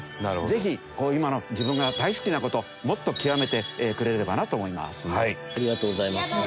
ぜひ今の自分が大好きな事をもっときわめてくれればなと思います。